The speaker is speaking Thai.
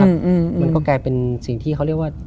มันก็กลายเป็นสิ่งที่เขาเรียกว่า